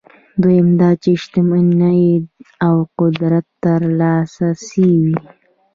دویم دا چې شتمنۍ او قدرت ته لاسرسی وي.